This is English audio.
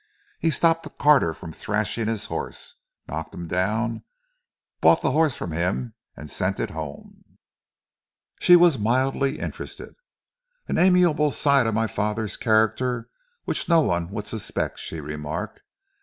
"He stopped a carter from thrashing his horse; knocked him down, bought the horse from him and sent it home." She was mildly interested. "An amiable side of my father's character which no one would suspect," she remarked.